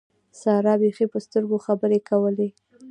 سارا بېخي په سترګو خبرې کولې.